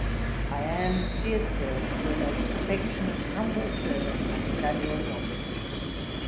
I am, dear Sir, 'Your most affectionate humble servant, 'SAM. JOHNSON.'